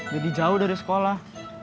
jadi jauh dari sekolah